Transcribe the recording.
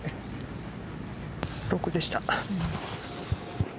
６でした。